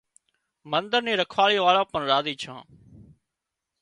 منۮر نِي رکواۯي واۯان پڻ راضي ڇان